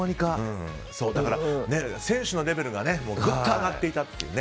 選手のレベルがぐっと上がっていたというね。